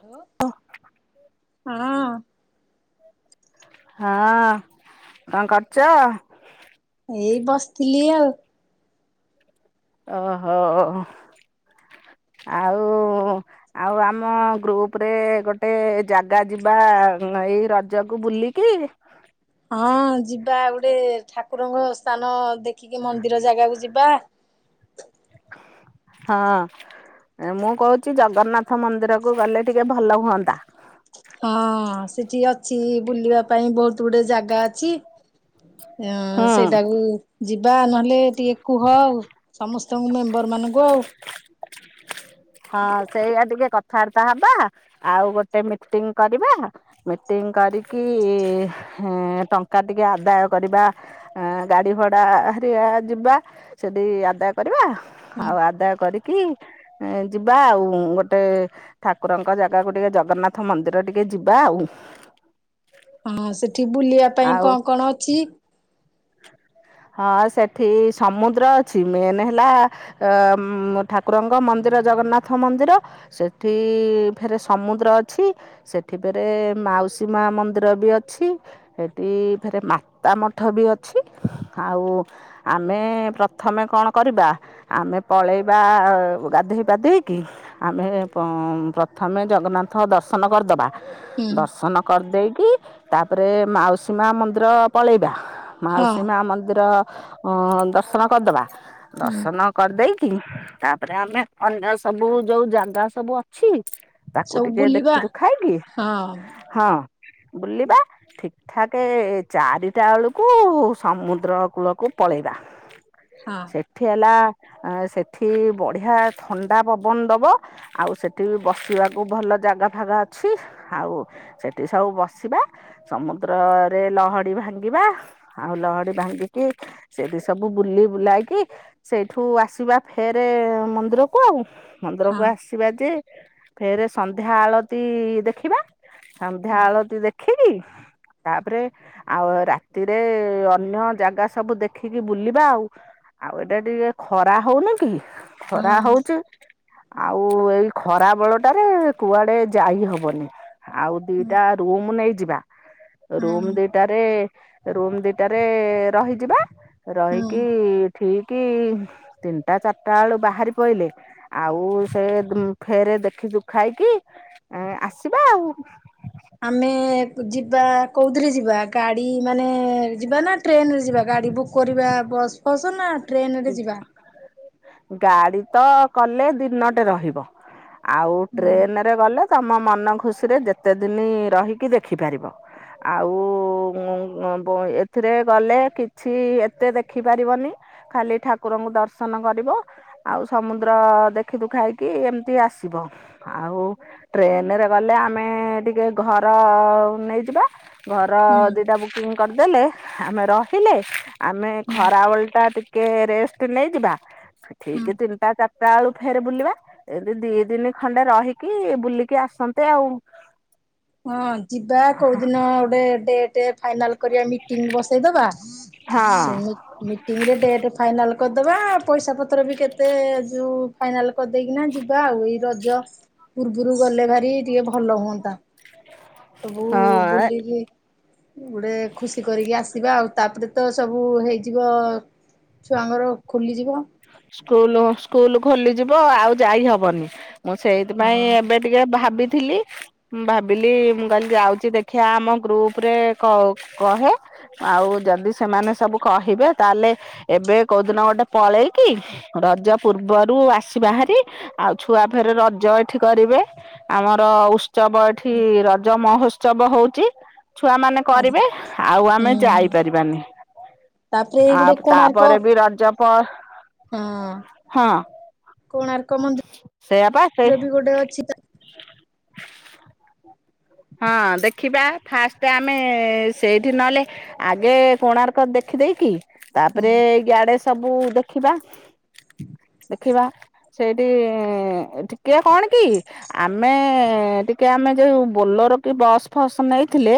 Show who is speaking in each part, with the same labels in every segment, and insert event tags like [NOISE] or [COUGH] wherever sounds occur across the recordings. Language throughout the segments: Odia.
Speaker 1: ହାଲୋ ହଁ।
Speaker 2: ହଁ କଣ କରୁଛ?
Speaker 1: ଏଇ ବସିଥିଲି ଆଉ
Speaker 2: ଓହୋ ଆଉ ଆଉ ଆମ ଗ୍ରୁପ ରେ ଗୋଟେ ଜାଗା ଯିବା ଏଇ ରଜକୁ ବୁଲିକି
Speaker 1: ହଁ ଯିବା ଗୋଟେ ଠାକୁରଙ୍କ ସ୍ଥାନ ଦେ ଦେଖିକି ମନ୍ଦିର ଜାଗାକୁ ଯିବା। [INAUDIBLE]
Speaker 2: ହଁ ମୁଁ କହୁଛି ଜଗନ୍ନାଥ ମନ୍ଦିର କୁ ଗଲେ ଟିକେ ଭଲ ହୁଅନ୍ତା।
Speaker 1: ହଁ ସେଠି ଅଛି ବୁଲିବା ପାଇଁ ବହୁତ ଆ ଗୁଟେ ଜାଗା ଅଛି ଉଁ
Speaker 2: ହୁଁ।
Speaker 1: ସେଇଟାକୁ ଯିବା। ଯିବା ନହେଲେ ଉଁ ଟିକେ କୁହ ଆଉ ସମସ୍ତେ ତମ ମେମ୍ବର ମାନଙ୍କୁ ଆଉ
Speaker 2: ହଁ ସେଇଆ ଟିକେ କଥାବାର୍ତ୍ତା ହବା ଆଉ ଗୋଟେ ମିଟିଂ କରିବା ମିଟିଂ କରିକି ଟଙ୍କା ଟିକେ ଆଦାୟ କରିବା ଗାଡି ଭଡାଆ ଯିବା ସେଠିକି ଆଦାୟ କରିବା
Speaker 1: ହୁଁ।
Speaker 2: ଆଉ ଆଦାୟ କରିକି ଯିବା ଆଉ ଗୋଟେ ଠାକୁରଙ୍କ ଜାଗାକୁ ଟିକେ ଜଗନ୍ନାଥ ମନ୍ଦିର ଟିକେ ଯିବା ଆଉ
Speaker 1: ହଁ ସେଠି ଏଠି ବୁଲିବା ପାଇଁ
Speaker 2: ଆଉ
Speaker 1: କଣ କଣ ଅଛି।
Speaker 2: ହଁ ସେଠି ସମୁଦ୍ର ଅଛି ମେନ୍ ହେଲା ଉଁ ଠାକୁରଙ୍କ ମନ୍ଦିର ଜଗନ୍ନାଥ ମନ୍ଦିର ସେଠି ଫେରେ ସମୁଦ୍ର ଅଛି ସେଠି ଫରେ ମାଉସୀ ମା ମନ୍ଦିର ବି ଅଛି ସେଠି ଫରେ ମାତା ମଠ ବି ଅଛି ଆଉ ଆମେ ପ୍ରଥମେ କଣ କରିବା ଆମେ ପଳେଇବା ଗାଧେଇ ପାଧେଇକି ଆମେ ପ୍ରଥମେ ଜଗନ୍ନାଥ ଦର୍ଶନ କରିଦେବା।
Speaker 1: ହୁଁ
Speaker 2: ଦର୍ଶନ କରିଦେଇ କି ତାପରେ ମାଉସୀ ମା ମନ୍ଦିର ପଳେଇବା।
Speaker 1: ହଁ
Speaker 2: ମାଉସୀ ମା ମନ୍ଦିର। ଅ ଦର୍ଶନ କରିଦବା।
Speaker 1: ହୁଁ
Speaker 2: ଦର୍ଶନ କରିଦେଇ କି ତାପରେ ଆମେ ଅନ୍ୟ ସବୁ ଯୋଉ ଜାଗା ସବୁ ଅଛି। ତାକୁ
Speaker 1: ସବୁ
Speaker 2: ଟିକେ
Speaker 1: ବୁଲିବା
Speaker 2: ଦେଖିଛୁ ଖାଇକି
Speaker 1: ହଁ
Speaker 2: ହଁ। ବୁଲିବା ଠିକ ଠାକ ଚାରିଟା ବେଳକୁ କୁ ସମୁଦ୍ର କୂଳକୁ ପଳେଇବା।
Speaker 1: ହଁ।
Speaker 2: ସେଠି ହେଲା ଆ ସେଠି ବଢିଆ ଥଣ୍ଡା ପବନ ଦବ ଆଉ ସେଠି ବସିବାକୁ ଭଲ ଜାଗା ଫାଗା ଅଛି ଆଉ ସେଠି ସବୁ ବସିବା ସମୁଦ୍ରରେ ଲହଡି ଭାଙ୍ଗିବା। ଆଉ ଲହଡି ଭାଙ୍ଗିକି ସେଠି ସବୁ ବୁଲି ବୁଲାଇକି ସେଇଠୁ ଆସିବା ଫେର ମନ୍ଦିରକୁ ଆଉ ମନ୍ଦିର କୁ
Speaker 1: ହଁ
Speaker 2: ଆସିବା ଯେ। ଫେରେ ସନ୍ଧ୍ୟା ଆଳତି ଦେଖିବା। ସନ୍ଧ୍ୟା ଆଳତି ଦେଖ ଖିରି ତାପରେ ଆଉ ରା ରାତିରେ ଅନ୍ୟ ଜାଗା ସବୁ ଦେଖିକି ବୁଲିବା ଆଉ ଆଉ ଏଇଟା ଟିକେ ଖରା ହଉନି କି।
Speaker 1: ହଁ
Speaker 2: ଖରା ହଉଚି। ଆଉ ଏଇ ଖରା ବେଳ ଟାରେ କୁଆଡେ ଯାଇ ହବନି ଆଉ
Speaker 1: ହୁଁ
Speaker 2: ଦିଟା ରୁମ୍ ନେଇଛି ଯିବା
Speaker 1: ହୁଁ
Speaker 2: ରୁମ୍ ଦିଟାରେ ରୁମ ଦିଟାରେ ରହିଯିବା।
Speaker 1: ହୁଁ।
Speaker 2: ରହିକି। ଠିକ ତିନିଟା ଚାରିଟା ବେଳୁ ବାହାରି ପଡ଼ିଲେ ଆଉ ସେ ଫେରେ ଦେଖି ଦୁଖାଇକି ଆସିବା ଆଉ
Speaker 1: ଆମେ ଯିବା କୋଉଥିିରେ ଯିବା ଗାଡି ମାନେ ଯିବା ନା ଟ୍ରେନରେ ଯିବା ଗାଡି ବୁକ୍ କରିବା ବସ୍ ହସ ନା ଟ୍ରେନ ରେ ଯିବା
Speaker 2: ଗାଡି ତ କଲେ ଦିନଟେ ରହିବ ଆଉ
Speaker 1: ହୁଁ
Speaker 2: ଟ୍ରେନରେ ଗଲେ ତୁମ ମନ ଖୁସିରେ ଯେତେ ଦିନ ରହିକି ଦେଖିପାରିବ ଆଉ ଏଥିରେ ଗଲେ କିଛି ଏତେ ଦେଖିପାରିବନି ଖାଲି ଠାକୁରଙ୍କୁ ଦର୍ଶନ କରିବ ଆଉ ସମୁଦ୍ର ଦେଖିଦୁଖାଇକି ଏମତି ଆସିବ ଆଉ ଟ୍ରେନରେ ଗଲେ ଆମେ ଟିକେ ଘର ନେଇଯିବା ଘର ଦୁଇଟା
Speaker 1: ହୁଁ
Speaker 2: ବୁକିଂ କରିଦେଲେ ଆମେ ରହିଲେ ଆମେ ଖରାବେଳ ଟିକେ ରେଷ୍ଟ ନେଇଯିବା
Speaker 1: ହୁଁ।
Speaker 2: ଠିକ ତିନିଟା- ତା ବେଳୁ ଫେର ବୁଲିବା ଏମତି ଦି ଦିନ ଖଣ୍ଡେ ରହିକି ବୁଲିକି ଆସନ୍ତେ ଆଉ-
Speaker 1: ହଁ ଯିବା କୋଉଦିନ ଗୋଟେଡ- ଫାଇନାଲ କରିବା ମିଟିଂ ବସେଇ ଦେବା।
Speaker 2: ହଁ
Speaker 1: ସେ ମିଟିଂ ରେ ଡେଟ ଫାଇନାଲ କରିଦବା ପଇସା ପତ୍ର ବି କେତେ- ମତେ ଯୋଉ ଫାଇନାଲ କରିଦେଇକିନା ଯିବା ଆଉ ଏଇ ରଜ ପୂର୍ବରୁ ଗଲେ ଭାରି ଟିକେ ଭଲ ହୁଅନ୍ତା- ସବୁ
Speaker 2: ହଁ
Speaker 1: ବୁଲି- ଗୋଟେ ଖୁସି କରିକି ଆସିବା ଆଉ- ତାପରେ ତ ସବୁ ହେଇଯିବ ଛୁଆଙ୍କର ଖୋଲିଯିବ-
Speaker 2: ସ୍କୁଲ ସ୍କୁଲ ଖୋଲିଯିବ ଆଉ ଯାଇ ହବନି- ମୁଁ ସେଇଥିପାଇଁ
Speaker 1: ହଁ
Speaker 2: ଏବେ ଟିକେ ଭାବି- ଥିଲି ଭାବିଲି ମୁଁ କହିଲି ଯାଉଛି ଦେଖିବା ଆମ ଗ୍ରୁପ ରେ କହେ ଆଉ ଯଦି ସେମାନେ ସବୁ କହିବେ ତାହେଲେ ଏବେ କୋଉ ଦିନ ଗୋଟେ ପଳେଇ- କି ରଜ ପୂର୍ବରୁ ଆସି ବାହାରି ଆଉ ଛୁଆ ଫେର ରଜ ଏଠି କରିବେ ଆମର ଉତ୍ସବ ଏଠି ରଜ ମହୋତ୍ସବ ହଉଛି- ଛୁଆ ମାନେ
Speaker 1: ଆଜ୍ଞା
Speaker 2: କରିବେ ଆଉ ଆମେ
Speaker 1: ହୁଁ
Speaker 2: ଯାଇପାରିବାନି
Speaker 1: ତାପରେ
Speaker 2: ଆଉ
Speaker 1: ଗୋଟେ କୋଣାର୍କ
Speaker 2: ତାପରେ ବି ରଜ- ପ-
Speaker 1: ହଁ
Speaker 2: ହଁ
Speaker 1: କୋଣାର୍କ
Speaker 2: ସେଇଆପା ସେ
Speaker 1: ମନ୍ଦି ମି ବି ଗୋଟେ ଅଛି ତ-
Speaker 2: ହଁ ଦେଖିବା ଫାଷ୍ଟ ଆମେ ସେଇଠି ନହେଲେ ଆଗେ କୋଣାର୍କ ଦେଖିଦେଇକି-
Speaker 1: ହୁଁ
Speaker 2: ତାପରେ ଏଇ ଗାଡେସ- ସବୁ ଦେଖିବା ଦେଖିବା ସେଇଠି ଟିକେ କଣ କି ଆମେ ଟିକେ ଆମେ ଯୋଉ- ବୋଲର କି ବସ୍ ଫସ୍ ନେଇଥିଲେ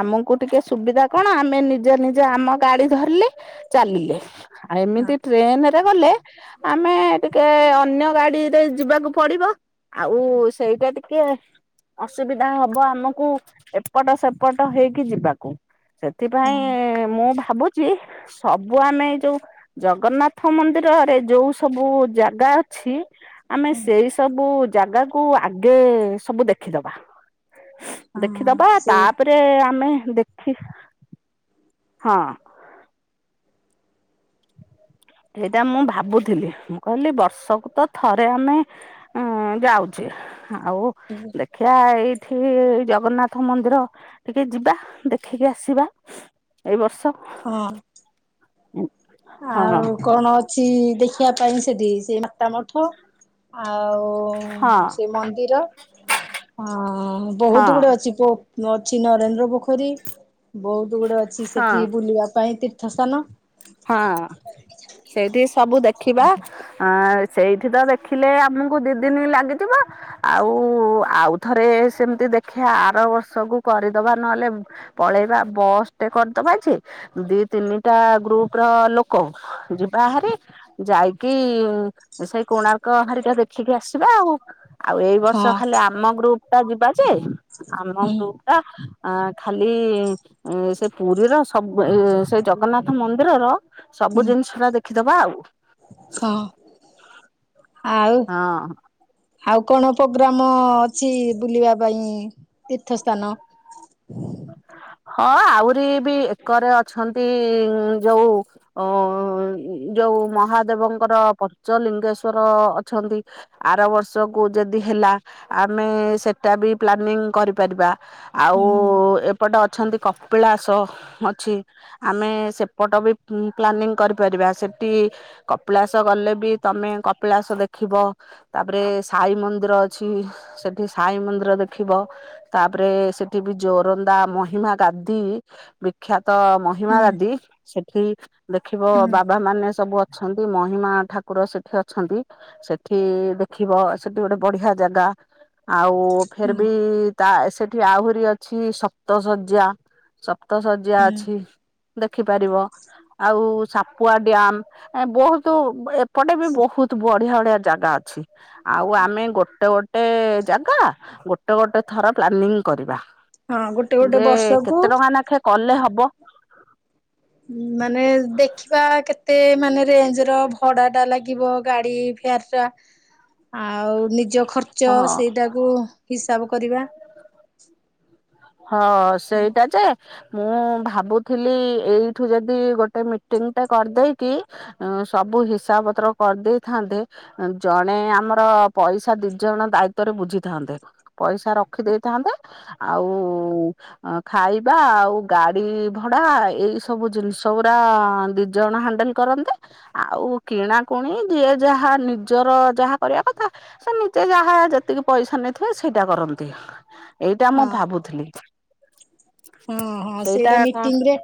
Speaker 2: ଆମକୁ ଟିକେ ସୁବିଧା କଣ ଆମେ ନିଜେ ନିଜେ ଆମ ଗାଡି ଧରିଲେ ଚାଲିଲେ- ଆ
Speaker 1: ହଁ
Speaker 2: ହେମିତି ଟ୍ରେନ- ଗଲେ ଆମେ ଟିକେ ଅନ୍ୟ ଗାଡିରେ ଯିବାକୁ ପଡିବ ଆଉ ସେଇଟା ଟିକେ ଅସୁବି ଧା ହବ ଆମକୁ ଏପଟ ସେପଟ ହେଇକି ଯିବାକୁ। ସେଥିପାଇଁ
Speaker 1: ହଁ
Speaker 2: ମୁଁ ଭା ଭାବୁଛି ସବୁ ଆମେ ଯୋଉ ଜଗନ୍ନାଥ ମନ୍ଦିରରେ ଯୋଉ ସବୁ ଜାଗା ଅଛି। ଆମେ ସେଇ ସବୁ- ଜାଗାକୁୁ ଆଗେ ସବୁ ଦେଖିଦବା।
Speaker 1: ହଁ
Speaker 2: ଦେଖିଦବା
Speaker 1: ସେ
Speaker 2: ତାପରେ ଆମେ। ଦେଖେ ହଁ। ଏଇଟା ମୁଁ ଭାବୁଥିଲି ମୁଁ କହିଲି ବର୍ଷକୁ ତ ଥରେ ଆମେ ଯାଉଛେ- ଆଉ
Speaker 1: ହଁ
Speaker 2: ଦେଖିବା ଏଇ। ଥିବି ଜଗନ୍ନାଥ ମନ୍ଦିର ଟିକେ ଯିବା ଦେଖିକି ଆସିବା ଏଇ ବର୍ଷ।।
Speaker 1: ହଁ।
Speaker 2: [UNINTELLIGIBLE] ହଁ
Speaker 1: ଆଉ କଣ ଅଛି। ଦି ଦେଖିବା ଟାଇମ ସେଠି ସେ ତମଠୁ। ଆଉ
Speaker 2: ହଁ
Speaker 1: ସେ ମନ୍ଦିର ଅ ବହୁତ
Speaker 2: ହଁ
Speaker 1: ଗୁଡେ ଅଛି ପୋ ଅଛି ନରେନ୍ଦ୍ର ପୋଖରୀ ବହୁତ। ଦେଉଳ ଅଛି ସେଠି
Speaker 2: ହଁ
Speaker 1: ବୁଲିବା ପାଇଁ ତିର ଥ ସ୍ତାନ।
Speaker 2: ହଁ ସେଇଠି ସବୁ ଦେଖିବା ଆ ସେଇଠି ତ ଦେଖିଲେ ଆମକୁ ଦି ଦିନି ଲାଗିଯିବ ଆଉ ଆଉଥରେ ସେମିତି ଦେଖିବା ଆର ବର୍ଷକୁ କରିଦବା ନହେଲେ ପଳେଇବା ବସ୍ ଟେ କରିଦବା ଯେ ଦି ତିନିଟା ଗ୍ରୁପ୍ ର ଲୋକ ଯିବା ହାରି ଯାଇକି ସେଇ କୋଣାର୍କ ହାରିକା ଦେଖିକି ଆସିବା ଆଉ ଆଉ ଏଇ ବର୍ଷ
Speaker 1: ହଁ
Speaker 2: ଖାଲି ଆମ ଗ୍ରୁପ। ଟା ଯିବା। ଯେ ଆମ
Speaker 1: ହୁଁ
Speaker 2: ଗ୍ରୁପ ଟା। ଆ ଖାଲି। ଏ ସେ ପୁରୀର ସ ସବୁ ଏ ସେ ଜଗନ୍ନାଥ ମନ୍ଦିର ର ର।
Speaker 1: ହୁଁ
Speaker 2: ସବୁ ଜିନିଷ ଟା ଦେଖ ରଖିଦବା ଆଉ
Speaker 1: ହଁ। ଆଉ ଆଉ,
Speaker 2: ହଁ
Speaker 1: ଆଉ କଣ ପୋଗ୍ରାମ ଅଛି ବୁଲିବା ପାଇଁ ତୀର୍ଥ ସ୍ଥାନ?
Speaker 2: ହଁ ଆହୁରି ବି ଏକରେ ଅଛନ୍ତି ଯଉ ଅ ଯୋଉ ମହାଦେବଙ୍କର ପଞ୍ଚଲିଙ୍ଗେଶ୍ଵର ଅଛନ୍ତି। ଆର ବର୍ଷକୁ ଯଦି ହେଲା ଆମେ ସେଟା ବି ପ୍ଲାନିଂ କରିପାରିବା।
Speaker 1: ହୁଁ
Speaker 2: ଆଉ ସେପଟ ଅଛନ୍ତି କପିଳାସ ଅଛି। ଆମେ ସେପଟ ବି ପ୍ଲାନିଂ କରିପାରିବା, ସେଠି କପିଳାସ ଗଲେ ବି ତମେ କପିଳାସ ଦେଖିବ। ତାପରେ ସାଇ ମନ୍ଦିର ଅଛି। ସେଠି ସାଇ ମନ୍ଦିର ଦେଖିବ। ତାପରେ ସେଠି ବି ଜୋ ରନ୍ଦା ମହିମା ଗାଦି ବିଖ୍ୟାତ। ତ ମହିମା
Speaker 1: ହୁଁ
Speaker 2: ଦାଦି ସେଠ ଠିକ। ଦେଖିବ
Speaker 1: ହୁଁ
Speaker 2: ବାବା ମାନେ ସବୁ ଅ ଅଛନ୍ତି। ମହିମା ଠାକୁର ସେଠି ଅଛନ୍ତି। ସେଠି ଦେଖିବ ସେଠି ଗୋଟେ ବଢିଆ ଜାଗା ଆଉ ଫେର୍
Speaker 1: ହୁଁ
Speaker 2: ବି ତା ସେଠି ଆହୁରି ଅଛ ଛି ସପ୍ତ ଶଯ୍ୟା। ସ ସପ୍ତ ଶଯ୍ୟା ଅଛି ଦେଖ୍ ରଖିପାରିବ ଆଉ ସାପୁଆ ଡ୍ୟାମ ଏ ବହୁତ ଏ ଏପଟେ ବି ବହୁତ ବଡ୍ ଭଳିଆ ଜାଗା ଅଛି। ଆଉ ଆମେ ଗୋଟେ ଗୋଟ ଟେ ଜାଗା ଗୋଟେ ଗୋଟେ ଥର ପ୍ଲାନିଂ କରିବା।
Speaker 1: ହଁ ଗୋଟେ ଗୋଟେ
Speaker 2: ଯେ
Speaker 1: ବର୍ଷକୁ
Speaker 2: କେତେ ଟଙ୍କା ନାଖେ କଲେ ହବ?
Speaker 1: ମାନେ ଦେଖିବା କେତେ ମାନେ ରେଞ୍ଜ ର ଭଡା ଟା ଲାଗିବ ଗାଡି ଫେୟାର ଟା। ଆଉ ନିଜ ଖର୍ଚ୍ଚ
Speaker 2: ହଁ।
Speaker 1: ସେଇଟାକୁ ହିସାବ କରିବା। [INAUDIBLE]
Speaker 2: ହଁ ସେଇଟା ଯେ ମୁଁ ଭାବୁଥିଲି ଏଇଠୁ ଯଦି ଗୋଟେ ମିଟିଂ ଟା କରଦେଇକି ସବୁ ହିସାବ ପତ୍ର କରିଦେଇଥାନ୍ତେ। ଜଣେ ଆମର ପଇସା ଦିଇଜଣ ଦାୟିତ୍ୱରେ ବୁଝିଥାନ୍ତେ। ପଇସା ରଖି ଦେଇଥାନ୍ତେ ଆଉ ଆଉ ଖାଇବା ଆଉ ଗାଡି ଭଡା ଏଇ ସବୁ ଜିନିଷ ଗୁଡା ଦି ଜଣ ହାଣ୍ଡେଲ କରନ୍ତି। ଆଉ କିଣାକୁଣି ଯିଏ ଯାହା ନିଜର ଯାହା କରିବା କଥା ସେ ନିଜେ ଯାହା ଯେତିକି ପଇସା ନେଇଥିବେ ସେଇଟା କରନ୍ତି। ଏଇଟା ମୁଁ
Speaker 1: ହଁ
Speaker 2: ଭାବୁଥିଲି।
Speaker 1: ହଁ ହଁ ସେଇଟା ମିଟିଂରେ,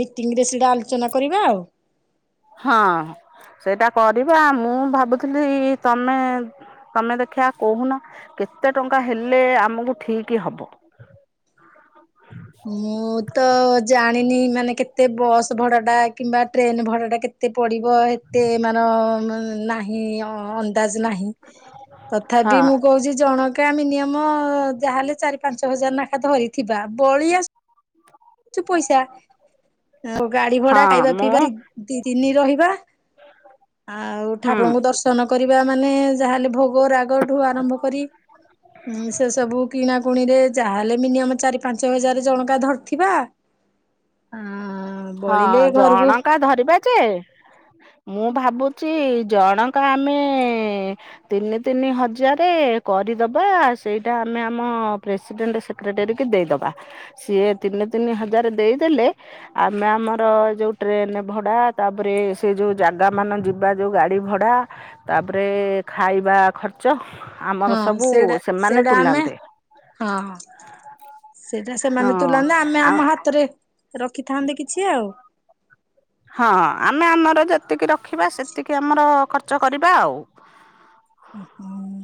Speaker 1: ମିଟିଂରେ ସେଇଟା ଆଲ ଚନା କରିବା ଆଉ।
Speaker 2: ହଁ ସେଇଟା କରିବା ମୁଁ ଭାବୁଥିଲି ତମେ ତମେ ଦେଖିବା କହୁନ, କେତେ ଟଙ୍କା ହେଲେ ଆମକୁ ଠିକ ହବ।
Speaker 1: ମୁଁ ତ ଜାଣିନି ମାନେ କେତେ ବସ୍ ଭଡ଼ାଟା କିମ୍ବା ଟ୍ରେନ୍ ଭଡ଼ାଟା କେତେ ପଡ଼ିବ? ଏତେ ମାନ ନାହିଁ ଅ ନ୍ଦାଜ ନାହିଁ।
Speaker 2: ହଁ
Speaker 1: ତଥାପି ମୁଁ କହୁଛି ଜଣ କା ମିନିୟମ୍ ଯାହାହେଲେ ଚାରି ପାଞ୍ଚ ହଜାର ନାଖା ଧରିଥିବା। ବଳି ଆସୁ ପଇସା ଆଉ ଗାଡି ଭଡା
Speaker 2: ହଁ
Speaker 1: ଖାଇବା ପିଇବା
Speaker 2: ମୁଁ
Speaker 1: ଦି -ଦି ତିନି ରହିବା ଆଉ
Speaker 2: ହୁଁ
Speaker 1: ଠାକୁରଙ୍କୁ ଦର୍ଶନ କରି କରିବା ମାନେ ଯାହେଲେ ଭୋ ଗ ରାଗଠୁ ଆରମ୍ଭ କରି ଉଁ, ସେ ସବୁ କିଣା କୁଣିରେ ଯାହା ହେଲେ ମିନିୟମ ଚାରି ପାଞ୍ଚ ହଜାର ଜଣଙ୍କା ଧରିଥିବା, ଅଁ,
Speaker 2: ହଁ ଜଣଙ୍କା ଧରିବା ଯେ ମୁଁ ଭାବୁଚି ଜଣକା ଆମେ ତିନି ତିନି ହଜାରେ କରିଦବା ସେଇଟା ଆମେ ଆମ ପ୍ରେସିଡେଣ୍ଟ ସେକ୍ରେଟେରୀ କି ଦେଇଦବା। ସିଏ ତିନି ତିନି ହଜାର ଦେଇଦେଲେ ଆମେ ଆମର ଯୋଉ ଟ୍ରେନ୍ ଭଡ଼ା ତାପରେ ସେ ଯୋଉ ଜାଗା ମାନ ଯିବା ଯୋଉ ଗାଡ଼ି ଭଡ଼ା ତାପରେ ଖାଇବା ଖର୍ଚ୍ଚ ଆମର
Speaker 1: ହଁ
Speaker 2: ସବୁ
Speaker 1: ସେଇଟା
Speaker 2: ସେମାନେ
Speaker 1: ସେଇଟା ଆମେ
Speaker 2: ତୁଲାନ୍ତେ
Speaker 1: ହଁ ସେ ସେଇଟା
Speaker 2: ହଁ
Speaker 1: ସେମାନେ ତୁଲାନ୍ତେ ଆମେ
Speaker 2: ଆଉ
Speaker 1: ଆମ ହାତରେ ରଖିଥାନ୍ତେ କିଛି ଆଉ।
Speaker 2: ହଁ ଆମେ ଆମର ଯେତିକି ର ରଖିବା ସେତିକି ଆମର ଖର୍ ଚ କରିବା ଆଉ।
Speaker 1: ଅଁ, ହଁ।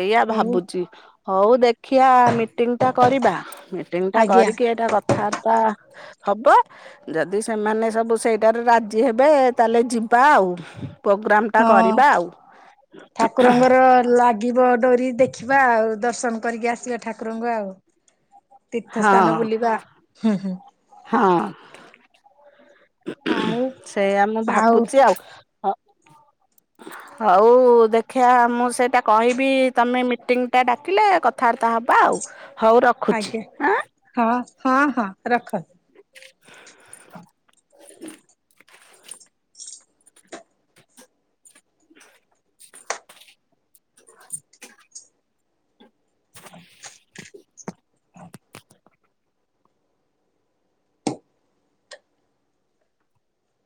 Speaker 2: ଏଇଆା ଭାବୁଛି ହଉ ଦେ ଖିଆ ମିଟିଙ୍ଗ ଟା କରିବା ମିଟିଙ୍ଗ ଟା
Speaker 1: ଆଜ୍ଞା
Speaker 2: କରିକି ଏଇଟା କଥାବାର୍ତ୍ତା ହବ ଯଦି ସେମାନେ ସବୁ ସେଇଟାରେ ରାଜି ହେବେ ତାହେଲେ ଯିବା ଆଉ। ପ୍ରୋଗ୍ରାମ ଟା
Speaker 1: ହଁ
Speaker 2: କରିବା ଆଉ
Speaker 1: ଠାକୁରଙ୍କର ଲାଗିବ ଡୋରି ଦେଖିବା ଆଉ ଦର୍ଶନ କରିକି ଆସିବା ଠାକୁରଙ୍କୁ ଆଉ। ତୀର୍ଥ
Speaker 2: ହଁ
Speaker 1: ସ୍ଥାନ ବୁଲିବା, ହୁଁ, ହୁଁ
Speaker 2: ହଁ।
Speaker 1: ଆଉ
Speaker 2: ସେଇଆା ମୁଁ ଭାବୁଛି ଆଉ ଅ ହଉ ଦେଖିବା ମୁଁ ସେଟା କହିବି ତମେ ମିଟିଂ ଟା ଡାକିଲେ କଥାବାର୍ତ୍ତା ହବା ଆଉ। ହଉ ରଖୁଚି।
Speaker 1: ଆଜ୍ଞା
Speaker 2: ଆଁ,
Speaker 1: ହଁ ହଁ ହଁ ରଖ।
Speaker 2: [UNINTELLIGIBLE] [UNINTELLIGIBLE]
Speaker 1: ହଁ, ହଁ।